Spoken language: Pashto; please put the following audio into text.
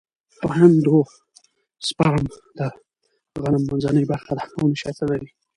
اندوسپرم د غنم منځنۍ برخه ده او نشایسته لري.